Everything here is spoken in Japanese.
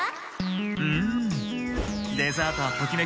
うんデザートはときめきさ！